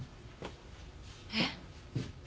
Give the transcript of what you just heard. えっ？